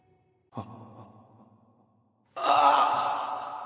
ああ。